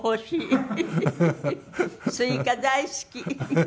スイカ大好き！